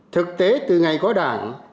thực tế từ ngày có đảng